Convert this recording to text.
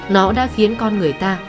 nó đã khiến con người ta